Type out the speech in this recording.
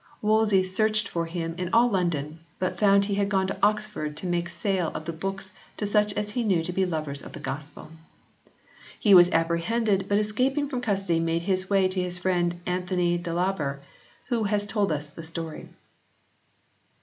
Wolsey searched for him "in all London" but found he had "gone to Oxford to make sale of the books to such as he knew to be lovers of the Gospel." He was apprehended but escaping from custody made his way to his friend Anthony Dalaber who has told us the story.